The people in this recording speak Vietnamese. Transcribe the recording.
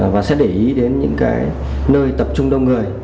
và sẽ để ý đến những cái nơi tập trung đông người